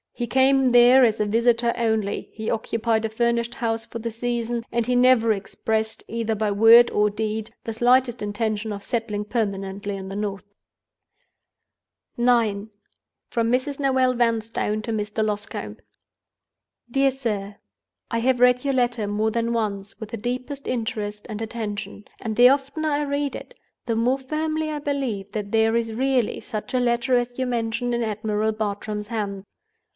He came there as a visitor only; he occupied a furnished house for the season; and he never expressed, either by word or deed, the slightest intention of settling permanently in the North." IX. From Mrs. Noel Vanstone to Mr. Loscombe. "DEAR SIR, "I have read your letter more than once, with the deepest interest and attention; and the oftener I read it, the more firmly I believe that there is really such a Letter as you mention in Admiral Bartram's hands.